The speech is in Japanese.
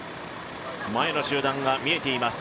前の集団が見えています